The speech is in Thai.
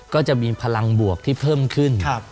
ก็จะมีพลังบวกที่เพิ่มขึ้น